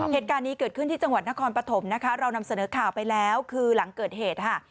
เหตุการณ์นี้เกิดขึ้นที่จังหวัดนครปฐมนะคะเรานำเสนอข่าวไปแล้วคือหลังเกิดเหตุค่ะ